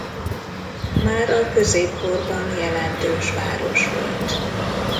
Már a középkorban jelentős város volt.